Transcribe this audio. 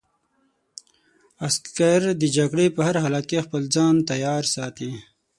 عسکر د جګړې په هر حالت کې خپل ځان تیار ساتي.